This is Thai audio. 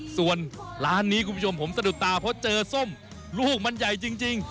ส่วนร้านนี้คุณผู้ชมผมสะดุดตาเพราะเจอส้มลูกมันใหญ่จริง